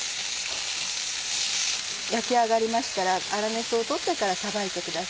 焼き上がりましたら粗熱を取ってからさばいてください。